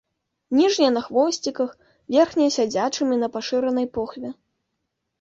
Ніжнія на хвосціках, верхнія сядзячымі на пашыранай похве.